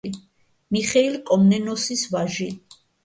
მიხეილ კომნენოსის ვაჟი.